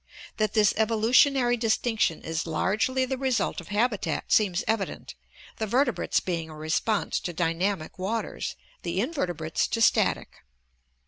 That this evolutionary distinc tion is largely the result of habitat seems evident, the vertebrates being a response to dynamic waters, the invertebrates to static.